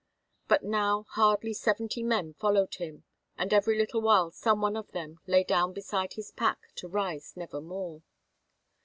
But now hardly seventy men followed him, and every little while some one of them lay down beside his pack to rise nevermore.